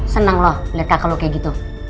senang lu liat kakak lu kayak gitu